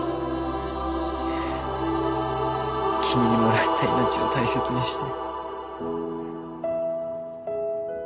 君にもらった命を大切にして。